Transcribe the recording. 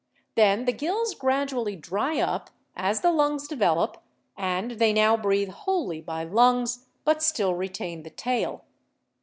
Then the gills gradually dry up, as the lungs develop, and they now breathe wholly by lungs, but still retain the tail.